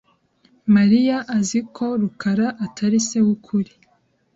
Mariya azi ko rukaraatari se wukuri.